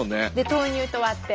豆乳と割って。